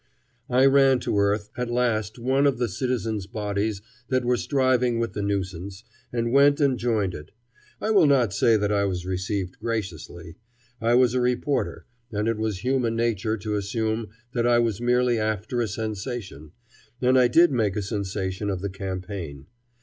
I ran to earth at last one of the citizens' bodies that were striving with the nuisance, and went and joined it. I will not say that I was received graciously. I was a reporter, and it was human nature to assume that I was merely after a sensation; and I did make a sensation of the campaign.